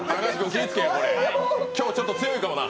今日、ちょっと強いかもな。